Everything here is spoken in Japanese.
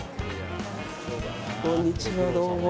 こんにちは、どうも。